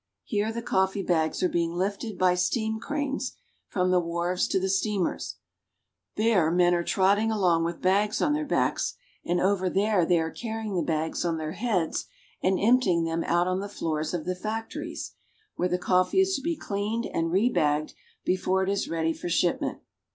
Here the coffee bags are being lifted by steam cranes from the wharves to the steamers ; there men are trotting along with bags on their backs, and over there they are carrying the bags on their heads and empty ing them out on the floors of the factories, where the SOUTHERN BRAZIL. 253 coffee is to be cleaned and rebagged before it is ready for shipment.